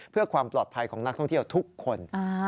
เพื่อความปลอดภัยของนักท่องเที่ยวทุกคน